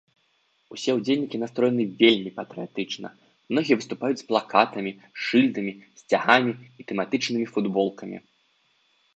Усе ўдзельнікі настроены вельмі патрыятычна, многія выступаюць з плакатамі, шыльдамі, сцягамі і тэматычнымі футболкамі.